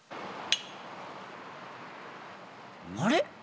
あれ？